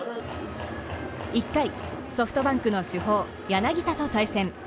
１回ソフトバンクの主砲・柳田と対戦。